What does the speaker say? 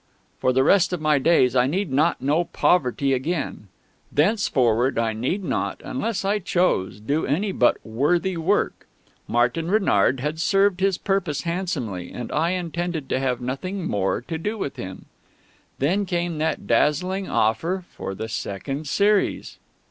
For the rest of my days I need not know poverty again. Thenceforward I need not, unless I chose, do any but worthy work. Martin Renard had served his purpose handsomely, and I intended to have nothing more to do with him. Then came that dazzling offer for the second series....